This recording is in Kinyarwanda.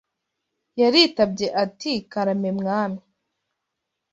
Yaritabye ati karame mwami